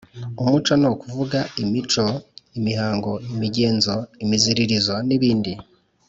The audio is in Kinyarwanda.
umuco ni ukuvuga imico, imihango, imigenzo, imiziririzo, nibindi